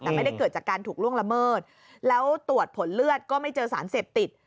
แต่ไม่ได้เกิดจากการถูกล่วงละเมิดแล้วตรวจผลเลือดก็ไม่เจอสารเสพติด